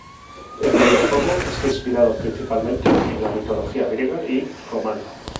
El videojuego está inspirado principalmente en la mitología griega y romana.